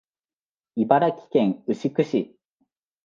茨城県牛久市